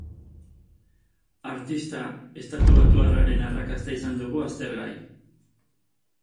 Artista estatubatuarraren arrakasta izan dugu aztergai.